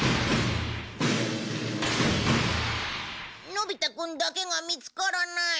のび太くんだけが見つからない。